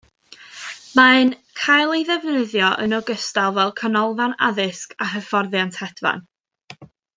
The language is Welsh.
Mae'n cael ei ddefnyddio yn ogystal fel canolfan addysg a hyfforddiant hedfan.